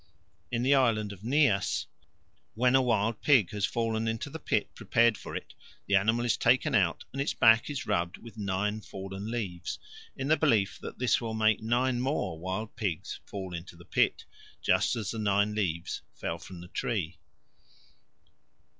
In the island of Nias, when a wild pig has fallen into the pit prepared for it, the animal is taken out and its back is rubbed with nine fallen leaves, in the belief that this will make nine more wild pigs fall into the pit, just as the nine leaves fell from the tree.